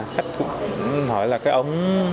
khách cũng hỏi là cái ống hút này